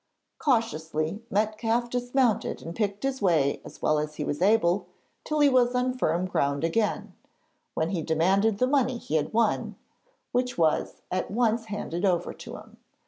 Cautiously Metcalfe dismounted and picked his way as well as he was able till he was on firm ground again, when he demanded the money he had won, which was at once handed over to him.